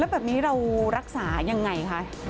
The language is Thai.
แบบนี้เรารักษายังไงคะ